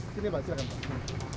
sini pak silahkan pak